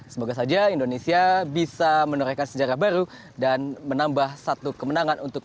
semoga saja indonesia bisa menurunkan pertandingan itu untuk indonesia dan juga untuk indonesia yang akan menangani pertandingan ini